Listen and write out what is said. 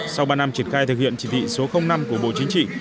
sau ba năm triển khai thực hiện chỉ thị số năm của bộ chính trị